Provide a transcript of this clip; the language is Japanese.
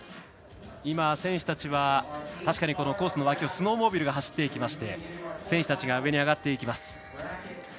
今、選手たちは確かにコースの脇をスノーモービルで走っていきまして選手たちが上に上がっていきます。